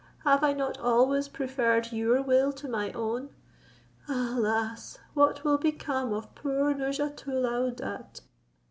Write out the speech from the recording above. Have I not always preferred your will to my own? Alas! what will become of poor Nouzhatoul aouadat?"